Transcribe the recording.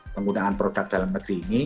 penggunaan produk dalam negeri ini